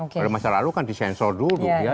kalau masa lalu kan disensor dulu ya